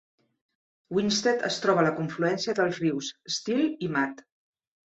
Winsted es troba a la confluència dels rius Still i Mad.